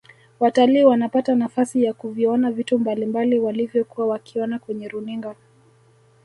watalii wanapata nafasi ya kuviona vitu mbalimbali walivyokuwa wakiona kwenye runinga